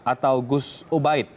atau gus ubaid